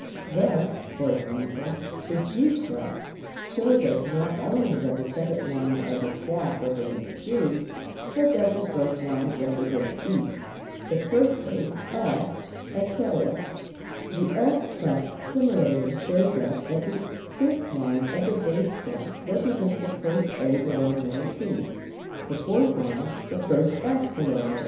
Thus, e.g., the G clef shows us not only that the second line of the staff represents G, but that the first line represents E, the first space F, etc. The F clef similarly shows us that the fifth line of the bass staff represents the first A below middle C, the fourth line the first F below middle C, etc.